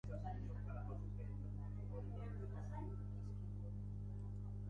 Parkeak eta lorategiak diseinatzen ditu bere lankideen laguntzarekin.